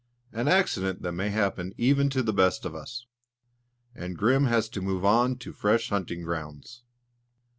An accident that may happen even to the best of us! And Grim has to move on to fresh hunting grounds.